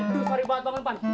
aduh sorry banget bangun pan